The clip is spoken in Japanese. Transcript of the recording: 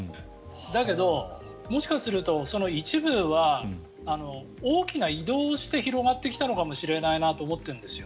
だけど、もしかするとその一部は大きな移動をして広がってきたのかもしれないなと思っているんですよ。